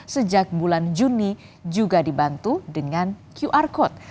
sejak bulan juni juga dibantu dengan qr code